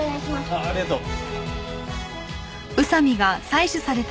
ああありがとう。